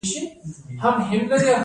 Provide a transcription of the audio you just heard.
د هګیو واردات باید بند شي